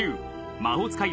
魔法使い